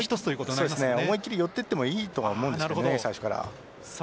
思い切り寄っていってもいいと思いますけど、最初から。